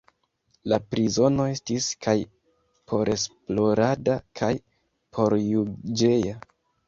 La prizono estis kaj poresplorada kaj porjuĝeja.